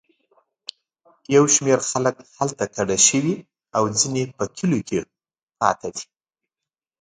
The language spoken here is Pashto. یو شمېر خلک هلته کډه شوي او ځینې په کلیو کې پاتې وو.